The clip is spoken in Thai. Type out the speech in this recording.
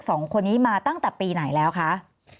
สองคนนี้มาตั้งแต่ปีไหนแล้วคะ